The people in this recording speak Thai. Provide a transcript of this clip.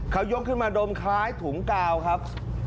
เขายกขึ้นมาดมคล้ายถุงกาวครับ